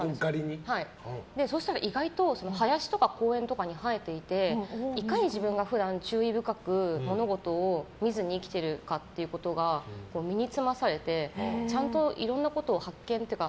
そしたら、意外と林とか公園とかに生えていていかに自分が普段注意深く物事を見ずに生きているかっていうことが身につまされてちゃんといろんなことを発見というか。